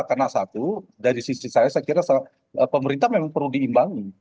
karena satu dari sisi saya saya kira pemerintah memang perlu diimbangi